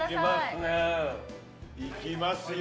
いきますよ。